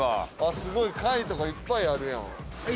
すごい貝とかいっぱいあるやん。